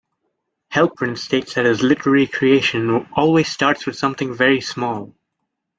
Helprin states that his literary creation "always starts with something very small".